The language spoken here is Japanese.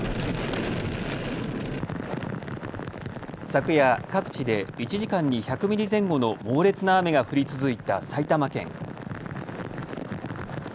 昨夜、各地で１時間に１００ミリ前後の猛烈な雨が降り続いた埼玉県。